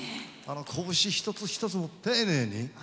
こぶし一つ一つ、丁寧に。